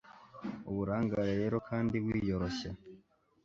Uburangare rero kandi wiyoroshya